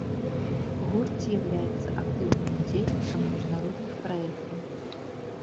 Гурт з'яўляецца актыўным удзельнікам міжнародных праектаў.